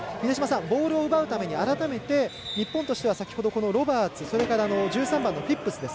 ボールを奪うために改めて日本としてはロバーツ、１３番のフィップス